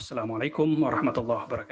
assalamu'alaikum warahmatullahi wabarakatuh